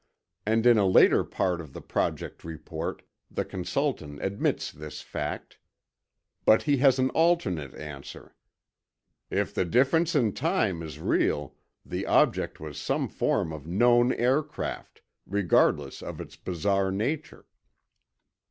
And in a later part of the Project report, the consultant admits this fact. But he has an alternate answer: "If the difference in time is real, the object was some form of known aircraft, regardless of its bizarre nature."